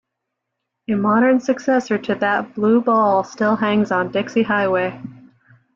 A modern successor to that blue ball still hangs on Dixie Highway.